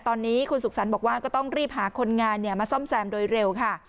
ตอนนี้คุณสุขสรรค์บอกว่าก็ต้องรีบหาคนงานมาซ่อมแซมโดยเร็วค่ะ